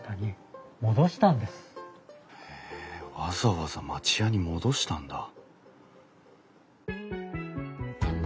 わざわざ町家に戻したんだ。